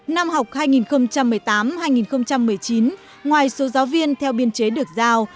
năm học hai nghìn một mươi tám hai nghìn một mươi chín ngoài số giáo viên theo biên chế được giao